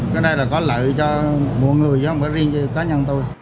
cái này là có lợi cho mỗi người chứ không phải riêng cho cá nhân tôi